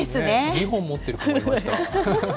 ２本持ってる子もいました。